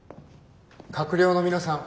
閣僚の皆さん